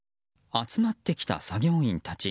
集まってきた作業員たち。